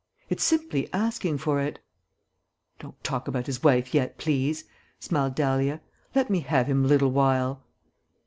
It's simply asking for it." "Don't talk about his wife yet, please," smiled Dahlia. "Let me have him a little while."